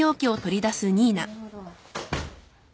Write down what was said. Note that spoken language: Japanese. なるほど。